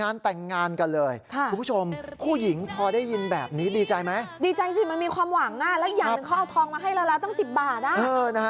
และยังถึงเขาเอาทองมาให้เราลาตั้งสิบบาท